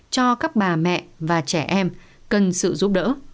cho các bà mẹ và trẻ em cần sự giúp đỡ